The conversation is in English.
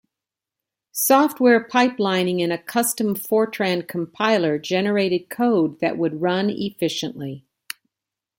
Software pipelining in a custom Fortran compiler generated code that would run efficiently.